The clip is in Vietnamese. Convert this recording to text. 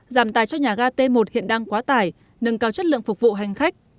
giảm tài cho nhà ga t một hiện đang quá tải nâng cao chất lượng phục vụ hành khách